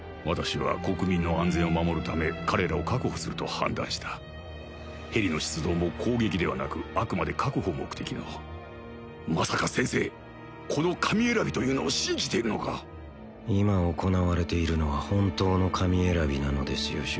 私は国民の安全を守るため彼らを確保すると判断したヘリの出動も攻撃ではなくあくまで確保目的のまさか先生この神選びというのを信じているのか今行われているのは本当の神選びなのですよ